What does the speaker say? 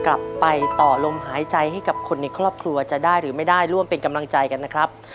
กลับไปต่อลมหายใจให้กับคนในครอบครัวจะได้หรือไม่ได้ร่วมเป็นกำลังใจกันนะครับ